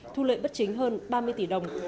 thu lợi bất chính hơn ba mươi tỷ đồng